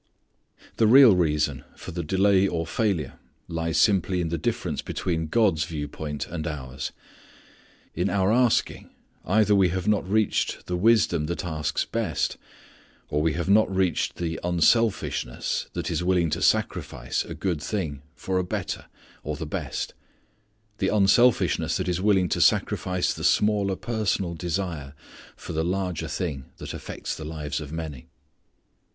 The real reason for the delay or failure lies simply in the difference between God's view point and ours. In our asking either we have not reached the wisdom that asks best, or, we have not reached the unselfishness that is willing to sacrifice a good thing, for a better, or the best; the unselfishness that is willing to sacrifice the smaller personal desire for the larger thing that affects the lives of many.